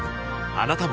あなたも